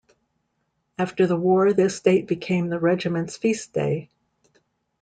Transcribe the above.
After the war this date became the Regiment's feast day.